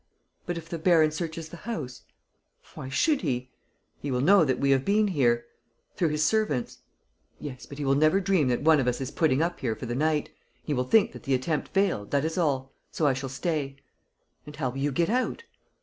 "But if the baron searches the house?" "Why should he?" "He will know that we have been here, through his servants." "Yes, but he will never dream that one of us is putting up here for the night. He will think that the attempt failed, that is all, so I shall stay." "And how will you get out?"